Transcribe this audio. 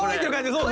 そう